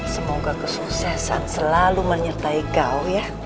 semoga kesuksesan selalu menyertai kau ya